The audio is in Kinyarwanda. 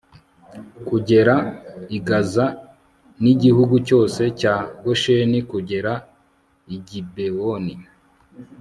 kugera i gaza n'igihugu cyose cya gosheni kugera i gibewoni